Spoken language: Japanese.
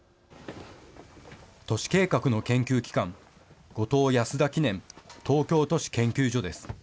都市計画の研究機関、後藤・安田記念東京都市研究所です。